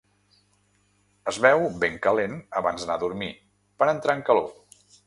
Es beu ben calent abans d'anar a dormir, per entrar en calor.